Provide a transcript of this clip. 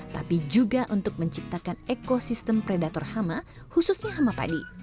tapi juga untuk menciptakan ekosistem predator hama khususnya hama padi